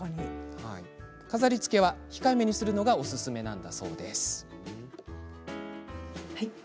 飾りつけは控えめにするのがおすすめだそうです。